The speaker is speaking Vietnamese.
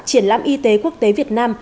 triển lãm y tế quốc tế việt nam